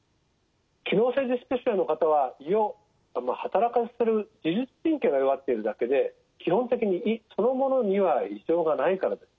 機能性ディスペプシアの方は胃をはたらかせる自律神経が弱っているだけで基本的に胃そのものには異常がないからです。